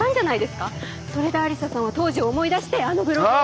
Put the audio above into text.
それで愛理沙さんは当時を思い出してあのブログを。